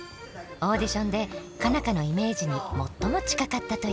オーディションで佳奈花のイメージに最も近かったという。